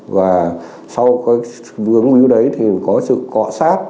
và sau cái vướng víu đấy thì có sự cọ sát